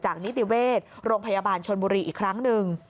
นิติเวชโรงพยาบาลชนบุรีอีกครั้งหนึ่ง